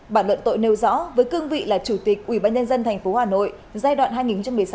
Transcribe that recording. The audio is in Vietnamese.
bản luận tội nêu rõ với cương vị là chủ tịch ubnd tp hà nội giai đoạn hai nghìn một mươi sáu hai nghìn hai mươi